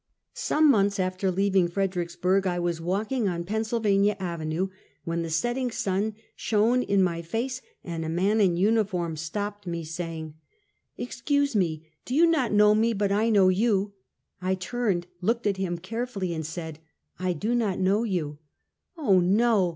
Some months after leaving Fredricksburg, I was walking on Pennsylvania avenue, when the setting sun shone in my face, and a man in uniform stopped me, saying: Two Fredeeicksbukg Patients. 359 "Excuse me! you do not know me, but I know you!" s I turned, looked at him carefully, and said: " I do not know you !"" Oh, no!